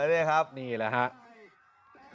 เออนี่แหละครับ